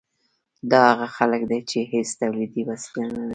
دا هغه خلک دي چې هیڅ تولیدي وسیله نلري.